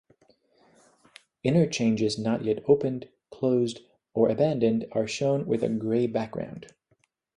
Interchanges not yet opened, closed, or abandoned are shown with a gray background.